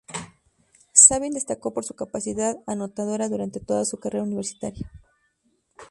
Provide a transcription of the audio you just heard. Sabin destacó por su capacidad anotadora durante toda su carrera universitaria.